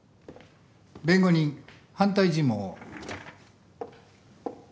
弁護人反対尋問を。